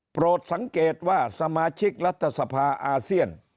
โปรดสังเกตว่าสมาชิกรัฐสภาอาเซียน